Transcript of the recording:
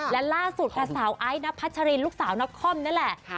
และล่าสุดค่ะสาวไอ้นพัชรินลูกสาวนครนั่นแหละ